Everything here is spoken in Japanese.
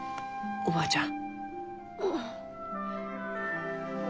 おばあちゃん。